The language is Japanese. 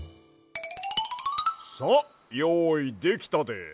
さあよういできたで。